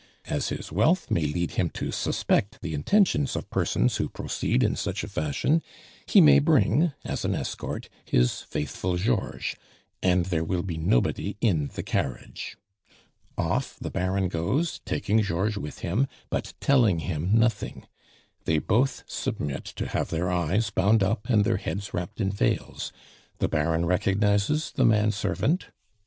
As his wealth may lead him to suspect the intentions of persons who proceed in such a fashion, he may bring, as an escort, his faithful Georges. And there will be nobody in the carriage.' Off the Baron goes, taking Georges with him, but telling him nothing. They both submit to have their eyes bound up and their heads wrapped in veils; the Baron recognizes the man servant.